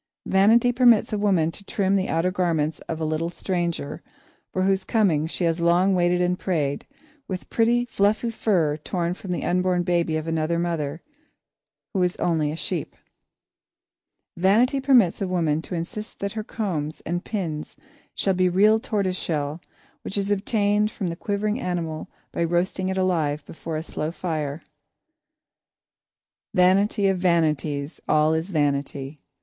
Vanity permits a woman to trim the outer garments of the little stranger for whose coming she has long waited and prayed, with pretty, fluffy fur torn from the unborn baby of another mother who is only a sheep. Vanity permits a woman to insist that her combs and pins shall be real tortoise shell, which is obtained from the quivering animal by roasting it alive before a slow fire. [Sidenote: All is Vanity] "Vanity of vanities, all is vanity!"